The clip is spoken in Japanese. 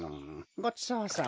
ごちそうさま。